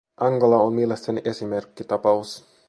Angola on mielestäni esimerkkitapaus.